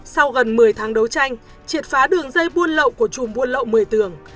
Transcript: sau gần một mươi tháng đấu tranh triệt phá đường dây buôn lậu của chùm buôn lậu mười tường